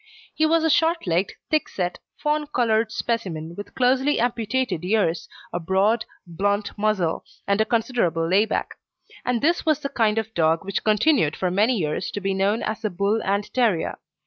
He was a short legged, thick set, fawn coloured specimen, with closely amputated ears, a broad blunt muzzle, and a considerable lay back; and this was the kind of dog which continued for many years to be known as the Bull and terrier.